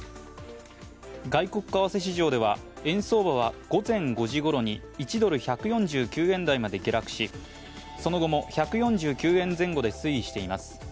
外国為替市場では円相場は午前５時ごろに１ドル＝１４９円台まで下落しその後も１４９円前後で推移しています。